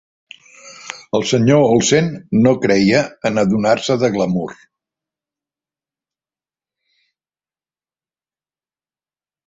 El Sr. Olsen no creia en adornar-se de glamur.